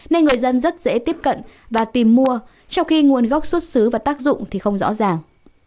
nên người dân rất dễ tiếp cận và tìm mua trong khi nguồn gốc xuất xứ và tác dụng thì không rõ ràng